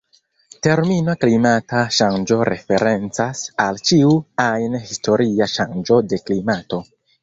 Termino klimata ŝanĝo referencas al ĉiu ajn historia ŝanĝo de klimato.